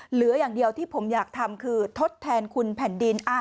เหลืออย่างเดียวที่ผมอยากทำคือทดแทนคุณแผ่นดิน